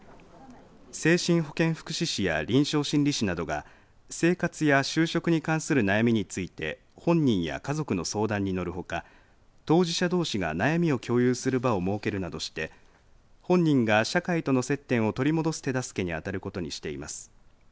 精神保健福祉士や臨床心理士などが生活や就職に関する悩みについて本人や家族と相談にのるほか当事者どうしが悩みを共有する場を設けるなどして本人が社会との接点を取り戻す手助けに当たることにしています。